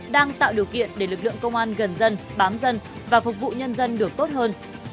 đang tạo điều kiện để lực lượng công an gần dân bám dân và phục vụ nhân dân được tốt hơn